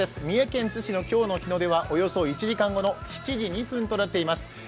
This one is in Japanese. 三重県津市の今日の日の出は１時間後の７時２分となっています。